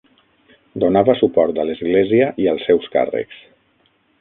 Donava suport a l'església i als seus càrrecs.